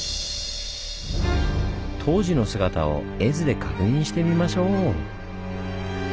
当時の姿を絵図で確認してみましょう！